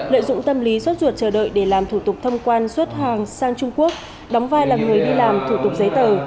lợi dụng tâm lý suốt ruột chờ đợi để làm thủ tục thông quan xuất hàng sang trung quốc đóng vai là người đi làm thủ tục giấy tờ